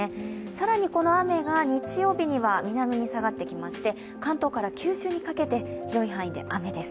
更にこの雨が日曜日には南に下がってきまして関東から九州にかけて、広い範囲で雨です。